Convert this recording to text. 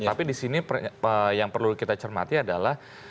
tapi di sini yang perlu kita cermati adalah